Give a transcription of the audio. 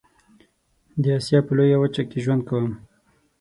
د آسيا په لويه وچه کې ژوند کوم.